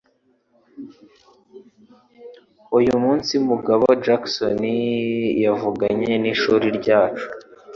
Uyu munsi, Mugabo Jackson yavuganye n’ishuri ryacu.